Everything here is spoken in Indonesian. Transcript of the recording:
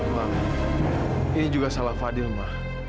ma ini juga salah fadil ma